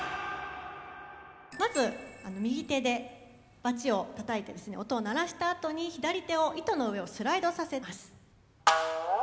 まず右手でバチをたたいてですね音を鳴らしたあとに左手を糸の上をスライドさせます。